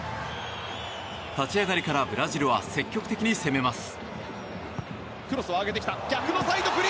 立ち上がりからブラジルは積極的に攻めます。